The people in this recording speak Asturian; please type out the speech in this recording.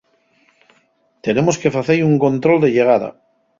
Tenemos que face-y un control de llegada.